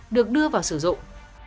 được đưa vào sử dụng